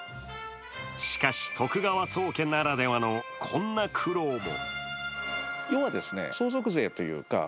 しかし、徳川宗家ならではのこんな苦労も。